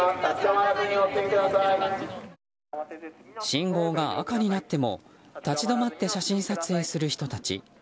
信号が赤になっても立ち止まって写真撮影する人たち。